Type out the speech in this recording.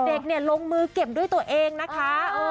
เด็กเนี่ยลงมือเก็บด้วยตัวเองนะคะ